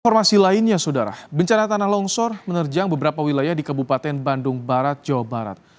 informasi lainnya saudara bencana tanah longsor menerjang beberapa wilayah di kabupaten bandung barat jawa barat